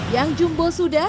yang jumbo sudah